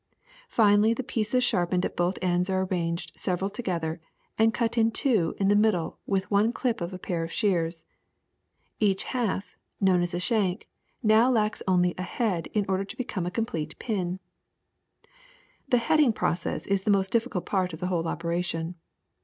Finally the pieces sharpened at both ends are arranged several together and cut in two in the middle with one clip of a pair of shears. Each half, known as a shank, now lacks only a head in order to become a complete pin. This heading process is the most difficult part of the whole operation.